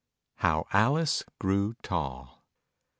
HOW ALICE GREW TALL.